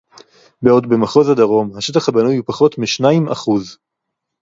בעוד במחוז הדרום השטח הבנוי הוא פחות משניים אחוז